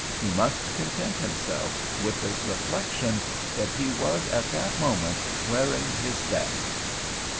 He must content himself with the reflection that he was at that moment wearing his best.